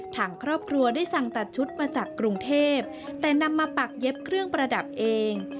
ทางครอบครัวได้สั่งตัดชุดมาจากกรุงเทพแต่นำมาปักเย็บเครื่องประดับเอง